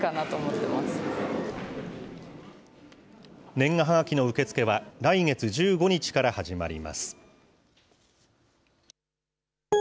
年賀はがきの受け付けは来月１５日から始まります。